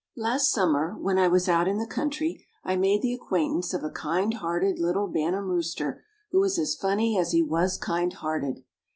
Last summer, when I was out in the country, I made the acquaintance of a kind hearted little bantam rooster, who was as funny as he was kind hearted.